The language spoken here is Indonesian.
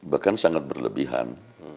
bahkan sangat berlebihan